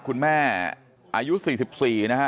คุณแม่อายุ๔๔นะฮะ